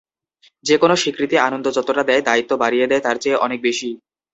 যেকোনো স্বীকৃতি আনন্দ যতটা দেয়, দায়িত্ব বাড়িয়ে দেয় তার চেয়ে অনেক বেশি।